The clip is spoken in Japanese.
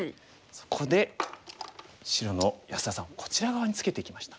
そこで白の安田さんこちら側にツケてきました。